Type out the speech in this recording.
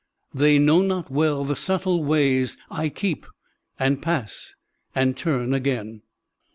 They know not welt the subtle ways I keep, and pass, and turn again."'